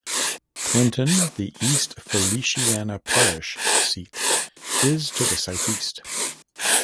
Clinton, the East Feliciana Parish seat, is to the southeast.